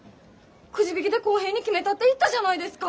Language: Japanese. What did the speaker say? くじ引きで公平に決めたって言ったじゃないですか。